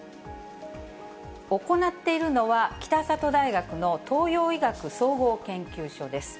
行っているのは、北里大学の東洋医学総合研究所です。